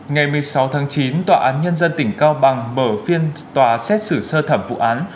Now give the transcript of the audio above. ngày một mươi sáu tháng chín tòa án nhân dân tỉnh cao bằng mở phiên tòa xét xử sơ thẩm vụ án